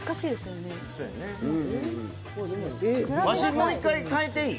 もう１回変えていい？